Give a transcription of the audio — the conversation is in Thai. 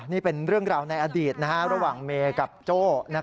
นี่เป็นเรื่องราวในอดีตระหว่างเมย์กับโจ้